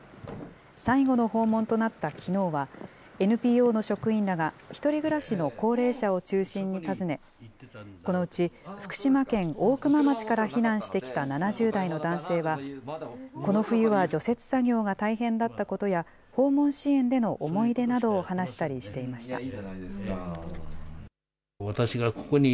最後の訪問となったきのうは、ＮＰＯの職員らが、１人暮らしの高齢者を中心に訪ね、このうち福島県大熊町から避難してきた７０代の男性は、この冬は除雪作業が大変だったことや、訪問支援での思い出などを話したりしていました。